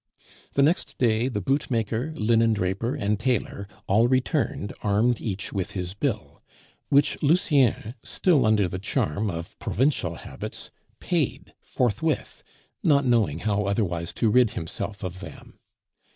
The next day the bootmaker, linen draper, and tailor all returned armed each with his bill, which Lucien, still under the charm of provincial habits, paid forthwith, not knowing how otherwise to rid himself of them.